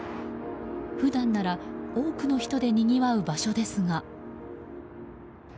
普段なら多くの人でにぎわう場所ですが。